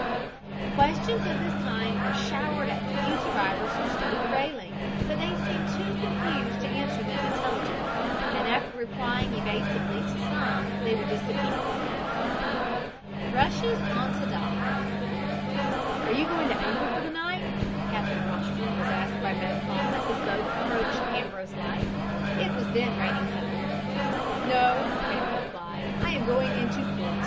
Questions of this kind were showered at the few survivors who stood at the railing, but they seemed too confused to answer them intelligibly, and after replying evasively to some they would disappear. RUSHES ON TO DOCK "Are you going to anchor for the night?" Captain Rostron was asked by megaphone as his boat approached Ambrose Light. It was then raining heavily. "No," came the reply. "I am going into port.